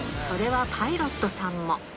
それはパイロットさんも。